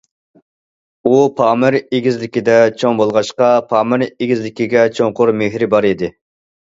ئۇ پامىر ئېگىزلىكىدە چوڭ بولغاچقا، پامىر ئېگىزلىكىگە چوڭقۇر مېھرى بار ئىدى.